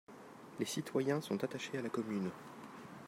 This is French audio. Les citoyens sont attachés à la commune.